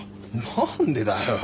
何でだよ。